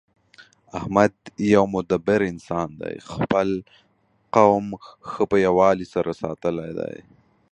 احمد یو مدبر انسان دی. خپل قوم ښه په یووالي سره ساتلی دی